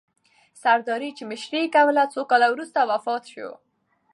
سردارو چې مشري یې کوله، څو کاله وروسته وفات سوه.